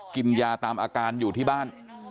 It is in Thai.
กินยาตามอาการอยู่ที่บ้าน